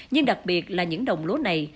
nhưng đặc biệt là những đồng lúa này